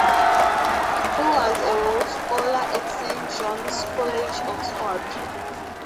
He was a Rhodes Scholar at Saint John's College, Oxford.